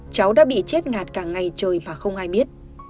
cháu đã bị chết ngạt cả ngày trời và không ai biết